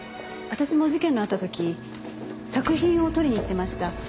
私も事件のあった時作品を取りに行ってました。